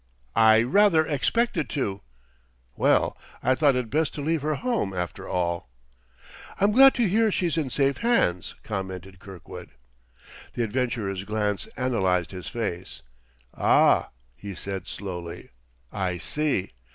"I rather expected to." "Well, I thought it best to leave her home, after all." "I'm glad to hear she's in safe hands," commented Kirkwood. The adventurer's glance analyzed his face. "Ah," he said slowly, "I see.